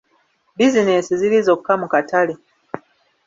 Bizinensi ziri zokka mu katale.